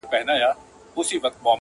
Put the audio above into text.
زما په ږغ به د سرو ګلو غنچي وا سي,